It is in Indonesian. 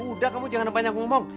udah kamu jangan banyak ngomong